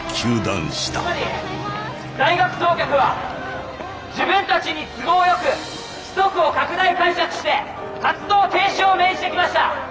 つまり大学当局は自分たちに都合よく規則を拡大解釈して活動停止を命じてきました。